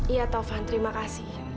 iya taufan terima kasih